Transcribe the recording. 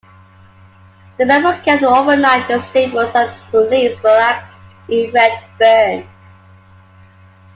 The men were kept overnight in the stables at the police barracks in Redfern.